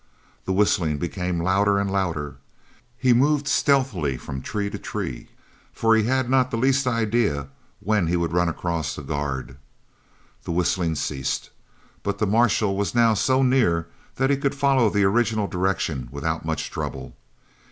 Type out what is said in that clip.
The whistling became louder and louder. He moved stealthily from tree to tree, for he had not the least idea when he would run across a guard. The whistling ceased, but the marshal was now so near that he could follow the original direction without much trouble.